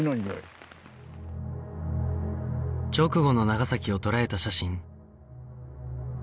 直後の長崎を捉えた写真